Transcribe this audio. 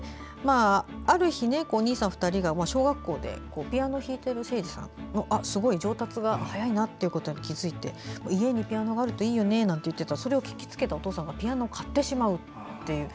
ある日、兄さん２人が小学校でピアノを弾いている征爾さんのすごい上達が早いなと気付いて家にピアノがあるといいよねなんて言っていたらそれを聞きつけたお父さんがピアノを買ってしまうという。